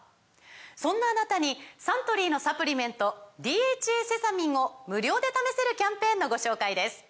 そんなあなたにサントリーのサプリメント「ＤＨＡセサミン」を無料で試せるキャンペーンのご紹介です